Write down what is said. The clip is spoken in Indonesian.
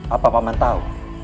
apa paman tahu